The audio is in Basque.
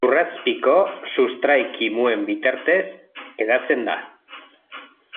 Lurrazpiko sustrai-kimuen bitartez hedatzen da.